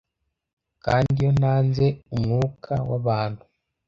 kandi iyo ntanze umwuka wabantu,